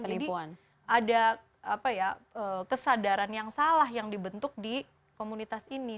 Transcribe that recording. jadi ada kesadaran yang salah yang dibentuk di komunitas ini